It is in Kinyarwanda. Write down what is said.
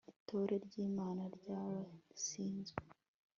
itorero ry imana ry abasizwe